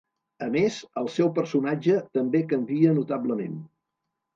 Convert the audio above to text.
A més, el seu personatge també canvia notablement.